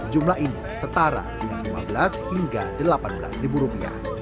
jumlah ini setara dengan rp lima belas hingga rp delapan belas